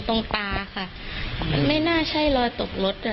ตรงตาค่ะมันไม่น่าใช่รอยตกรถ